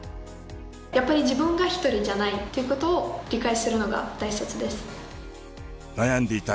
やっぱり自分が１人じゃないという事を理解するのが大切です。